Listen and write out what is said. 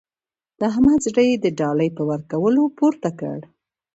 د احمد زړه يې د ډالۍ په ورکولو پورته کړ.